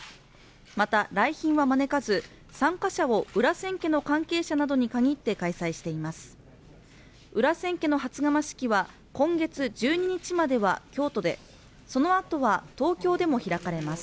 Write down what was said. また、来賓は招かず、参加者を裏千家の関係者などに限って開催しています。